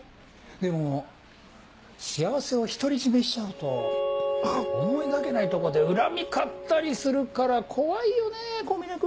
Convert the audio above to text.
でも幸せを独り占めしちゃうと思いがけないとこで恨み買ったりするから怖いよねぇ小峯君！